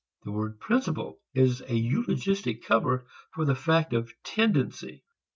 The word "principle" is a eulogistic cover for the fact of tendency.